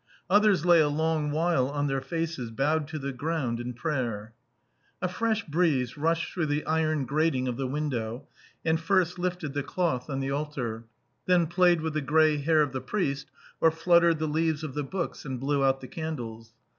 Others lay a long while on their faces bowed to the ground in prayer. A fresh breeze rushed through the iron grating of the window and first lifted the cloth on the altar, then played with the grey hair of the priest or fluttered the leaves of the books and blew out the candles.